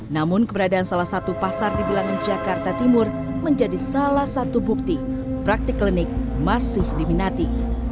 namun keberadaan salah satu pasar di bilangan jakarta timur menjadi salah satu bukti praktik klinik masih diminati